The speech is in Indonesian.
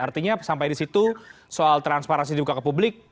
artinya sampai di situ soal transparansi dibuka ke publik